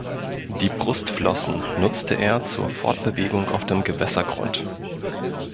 Die Brustflossen nutzte er zur Fortbewegung auf dem Gewässergrund.